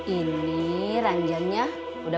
istiaraah jahat kannan gede ott